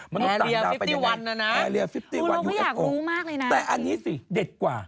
มนุษย์ต่างดาวเป็นยังไงแอลเลีย๕๑นะนะอยู่กับโอปอล์แต่อันนี้สิเด็ดกว่า